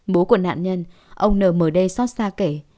bố của nạn nhân ông n m d xót xa kể